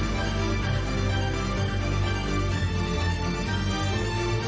โปรดติดตามตอนต่อไป